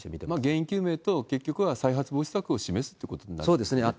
原因究明と、結局は再発防止策を示すってことになるんですね。